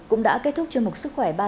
cũng đã kết thúc cho một sức khỏe